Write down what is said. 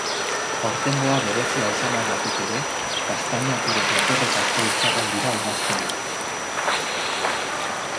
Aurtengoa berezia izanagatik ere, gaztainak gure platerretako izarrak dira udazkenean.